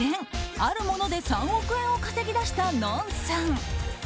あるもので３億円を稼ぎ出したＮＯＮさん。